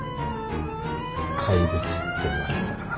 怪物って言われてたから。